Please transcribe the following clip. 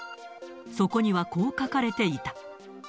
そこにはこう書かれていた。